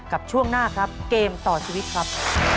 ช่วงหน้าครับเกมต่อชีวิตครับ